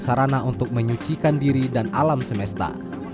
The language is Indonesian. sarana untuk menyucikan diri dan alam semesta